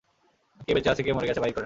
কে বেঁচে আছে, কে মরে গেছে, বাইর করেন।